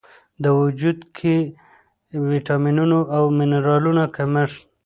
و وجود کې د ویټامینونو او منرالونو د کمښت